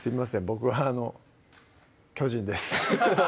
僕あの巨人です